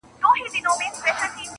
یو څه ستا فضل یو څه به دوی وي؛